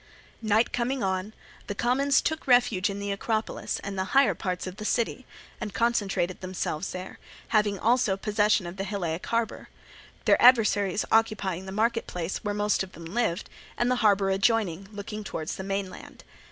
Night coming on, the commons took refuge in the Acropolis and the higher parts of the city, and concentrated themselves there, having also possession of the Hyllaic harbour; their adversaries occupying the market place, where most of them lived, and the harbour adjoining, looking towards the mainland.